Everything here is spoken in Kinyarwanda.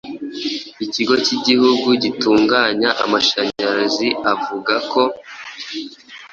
ikigo cy’igihugu gitunganya amashanyarazi avuga ko